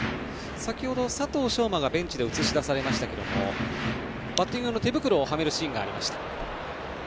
先ほど、佐藤奨真がベンチで映し出されましたがバッティング用の手袋をはめているシーンがありました。